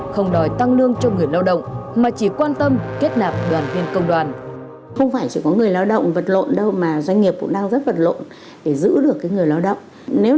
không đòi tăng lương cho người lao động mà chỉ quan tâm kết nạp đoàn viên công đoàn